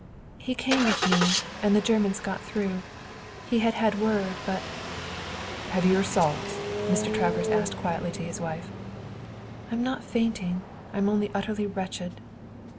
"He came with me, and the Germans got through. He had had word, but " "Have you your salts?" Mr. Travers asked quietly of his wife. "I'm not fainting. I'm only utterly wretched."